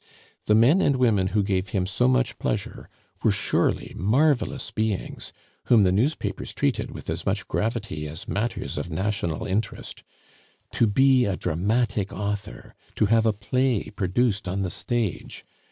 The men and women who gave him so much pleasure were surely marvelous beings, whom the newspapers treated with as much gravity as matters of national interest. To be a dramatic author, to have a play produced on the stage!